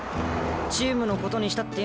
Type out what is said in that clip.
チームのことにしたってよ